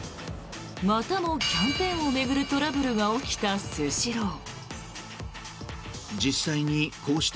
またもキャンペーンを巡るトラブルが起きたスシロー。